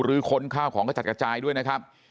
ค้นข้าวของกระจัดกระจายด้วยนะครับ